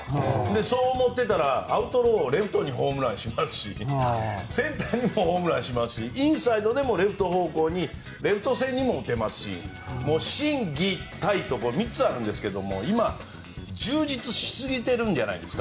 そう思っていたらアウトローをレフトにホームランしますしセンターにホームランしますしインサイドでもレフト方向にレフト線にも打てますし心技体と３つあるんですが今、充実しすぎてるんじゃないですか？